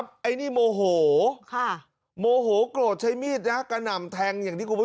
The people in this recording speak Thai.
ก็เรียกร้องให้ตำรวจดำเนอคดีให้ถึงที่สุดนะ